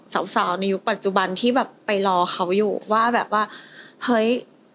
สร้างวันจะมีท่อนที่ตรงสาระมากเว้ย